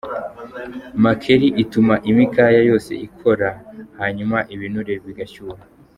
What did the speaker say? Makeri ituma imikaya yose ikora, hanyuma ibinure bigashyuha.